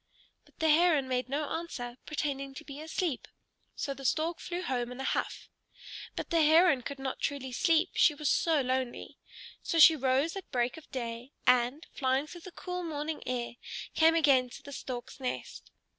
But the Heron made no answer, pretending to be asleep. So the Stork flew home in a huff. But the Heron could not truly sleep, she was so lonely. So she rose at break of day, and, flying through the cool morning air, came again to the Stork's nest.